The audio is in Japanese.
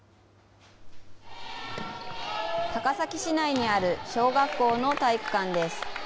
高崎市内にある小学校の体育館です。